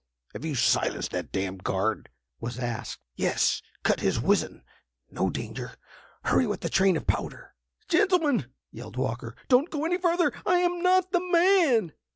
"Have you silenced that d—d guard?" was asked. "Yes, cut his wizzen. No danger. Hurry with the train of powder!" "Gentlemen!" yelled Walker, "don't go any further. I am not the man!"